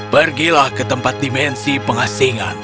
pergilah ke tempat dimensi pengasingan